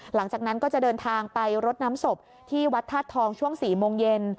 หลังจากนั้นก็จะเดินทางไปรดน้ำศพที่วัดธาตุทองช่วง๔โมงเย็น